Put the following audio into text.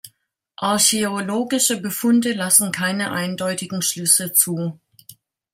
Archäologische Befunde lassen keine eindeutigen Schlüsse zu.